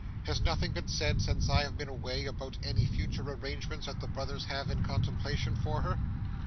'Has nothing been said, since I have been away, about any future arrangements that the brothers have in contemplation for her?